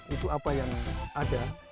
itu apa yang ada